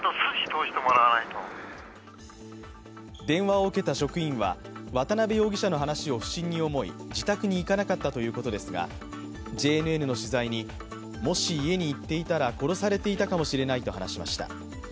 電話を受けた職員は渡辺容疑者の話を不審に思い自宅に行かなかったということですが、ＪＮＮの取材にもし家に行っていたら殺されていたかもしれないと話しました。